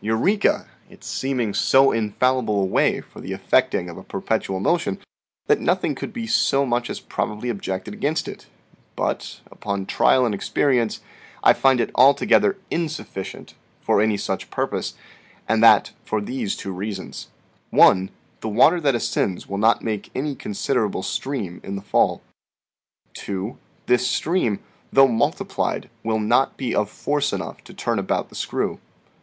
Eureka!' it seeming so infallible a way for the effecting of a per petual motion that nothing could be so much as probably objected against it; but, upon trial and experience, I find it altogether insufficient for any such purpose, and that for these two reasons : 1. The water that ascends will not make any considera ble stream in the fall. 2. This stream, though multiplied, will not be of force enough to turn about the screw."